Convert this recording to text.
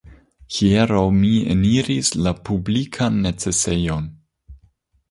Hieraŭ mi eniris la publikan necesejon.